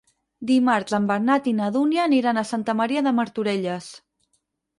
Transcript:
Dimarts en Bernat i na Dúnia aniran a Santa Maria de Martorelles.